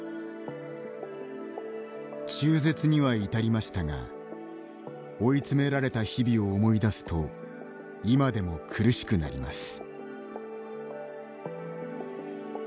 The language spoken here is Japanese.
中絶には至りましたが追い詰められた日々を思い出すと今でも苦しくなります。